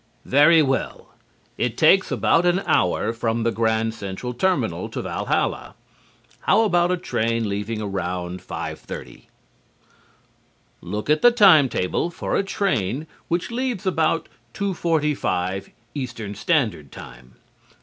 Very well. It takes about an hour from the Grand Central Terminal to Valhalla. How about a train leaving around 5:30? Look at the time table for a train which leaves about 2:45 (Eastern Standard Time).